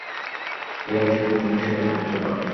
যেটা বেশি গুরুত্বপূর্ণ সেটাকেই গুরুত্ব দাও।